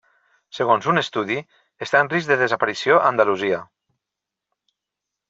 Segons un estudi, està en risc de desaparició a Andalusia.